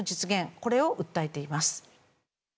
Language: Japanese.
これを訴えています。